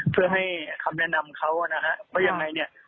เพื่อให้คำแนะนำเขานะฮะว่ายังไงเนี่ย